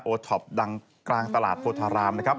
ท็อปดังกลางตลาดโพธารามนะครับ